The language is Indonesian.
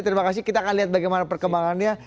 terima kasih kita akan lihat bagaimana perkembangannya